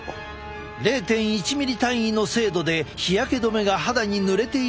０．１ミリ単位の精度で日焼け止めが肌に塗れているか確認できる。